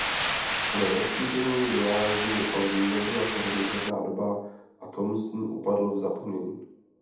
Pro rozšíření vynálezu ale nebyla tehdy vhodná doba a Thomson upadl v zapomnění.